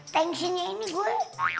tensinya ini gue